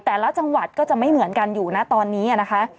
แต่ละจังหวัดก็จะไม่เหมือนกันอยู่นะตอนนี้นะคะ